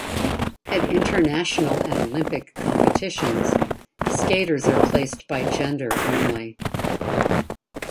At International and Olympic competitions, skaters are placed by gender only.